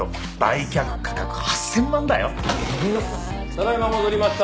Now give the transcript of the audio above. ただ今戻りました。